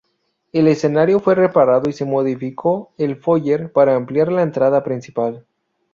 El escenario fue reparado y se modificó el foyer para ampliar la entrada principal.